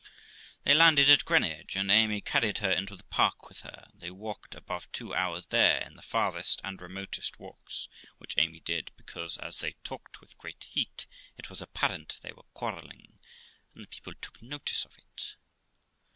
They landed at Greenwich, and Amy carried her into the park with her, and they walked above two hours there, in the farthest and remotest walks ; which Amy did because, as they talked with great heat, it was apparent they were quarrelling, and the people took notice of it.